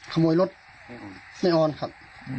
ขโมยรถไม่ออนครับ